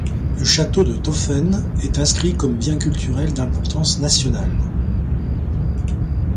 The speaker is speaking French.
Le château de Toffen est inscrit comme bien culturel d'importance nationale.